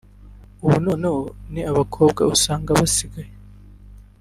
ubu noneho n'abakobwa usanga basigaye